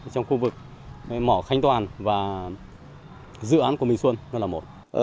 trong khu vực mỏ khánh toàn và dự án của minh xuân là một